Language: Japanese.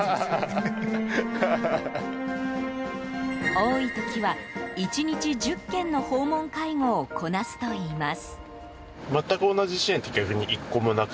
多い時は１日１０件の訪問介護をこなすといいます。